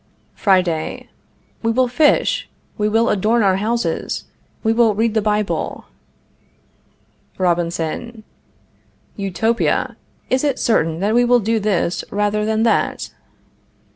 Friday. We will fish. We will adorn our houses. We will read the Bible. Robinson. Utopia! Is it certain that we will do this rather than that?